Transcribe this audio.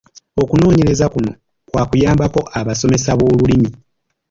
Okunoonyereza kuno kwa kuyambako abasomesa b’olulimi.